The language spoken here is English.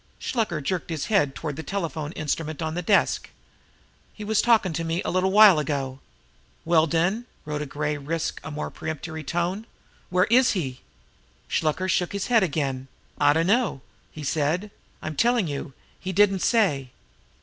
Shluker jerked his hand toward the telephone instrument on the desk. "He was talkin' to me a little while ago." "Well, den" Rhoda Gray risked a more peremptory tone "where is he?" Shluker shook his head again. "I dunno," he said. "I'm tellin' you, he didn't say."